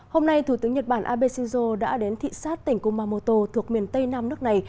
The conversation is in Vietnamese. hôm nay thủ tướng nhật bản abe shinzo đã đến thị xát tỉnh kumamoto thuộc miền tây nam nước này